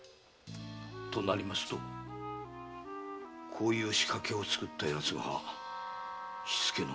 となりますとこういう仕掛けを作った奴が火付けの。